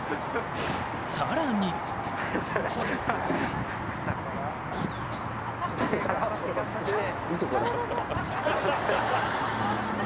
さらにん。